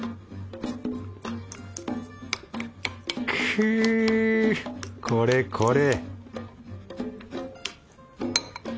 くぅこれこれ